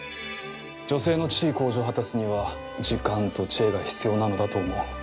女性の地位向上を果たすには時間と知恵が必要なのだと思う。